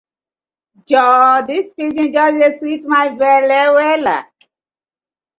Joor dis pidgin just dey sweet my belle wella.